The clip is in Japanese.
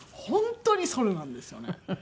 本当にそれなんですよね。